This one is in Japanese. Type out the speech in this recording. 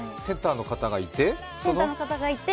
センターの方がいて？